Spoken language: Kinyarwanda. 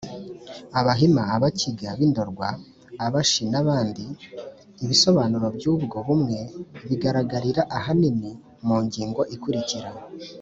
Abahima, Abakiga b'i Ndorwa, Abashi n'abandi. Ibisobanuroby'ubwo bumwe biragaragarira ahanini mu ngingo ikurikira.